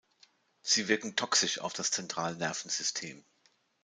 Sie wirken toxisch auf das Zentralnervensystem.